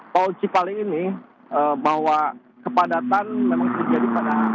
tol cipali ini bahwa kepadatan memang terjadi pada